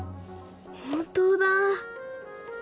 本当だ。